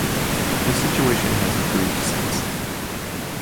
The situation has improved since.